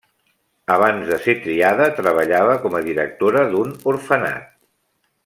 Abans de ser triada, treballava com a directora d'un orfenat.